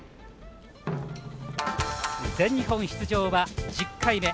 全日本出場は１０回目。